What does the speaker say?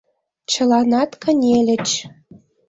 Чыланат кынельыч.